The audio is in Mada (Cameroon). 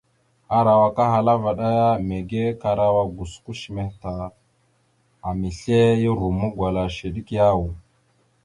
Arawak ahala vvaɗ : mege karawa gosko shəmeh ta, amesle ya romma gwala shew ɗek yaw ?